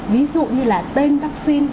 ví dụ như là tên vaccine